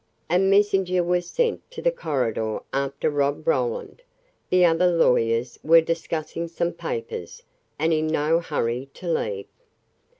A messenger was sent to the corridor after Rob Roland. The other lawyers were discussing some papers, and in no hurry to leave.